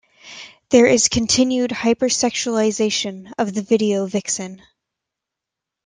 There is continued hyper-sexualization of the video vixen.